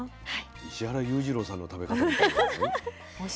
石原裕次郎さんの食べ方みたいだよ。